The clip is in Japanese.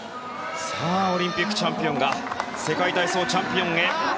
オリンピックチャンピオンが世界体操チャンピオンへ。